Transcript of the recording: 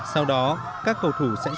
sau đó các cầu thủ sẽ trở về